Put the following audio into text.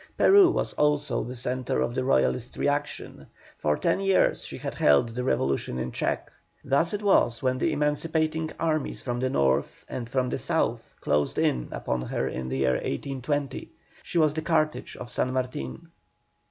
Peru was also the centre of the Royalist reaction; for ten years she had held the revolution in check. Thus it was when the emancipating armies from the north and from the south closed in upon her in the year 1820. She was the Carthage of San Martin.